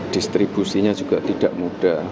distribusinya juga tidak mudah